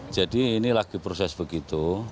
jadi ini lagi proses begitu